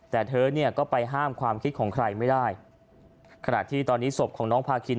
แต่เธอเนี่ยก็ไปห้ามความคิดของใครไม่ได้ขณะที่ตอนนี้ศพของน้องพาคิน